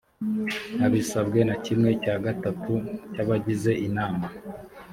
abisabwe na kimwe cya gatatu cy abagize inama